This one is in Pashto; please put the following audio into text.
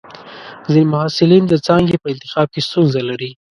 ځینې محصلین د څانګې په انتخاب کې ستونزه لري.